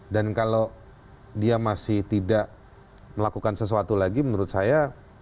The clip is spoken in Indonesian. dan kalau dia masih tidak melakukan sesuatu lagi menurut saya